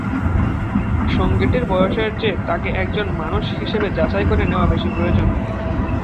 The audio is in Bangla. সঙ্গীটির বয়সের চেয়ে তাকে একজন মানুষ হিসেবে যাচাই করে নেওয়া বেশি প্রয়োজন।